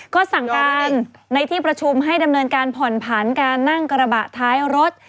ก็สั่งการในที่ประชุมให้ดำเนินการผ่อนผันการนั่งกระบะท้ายรถ